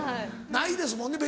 ないですもんね